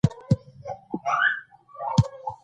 ژبه د ژوند موسیقي ده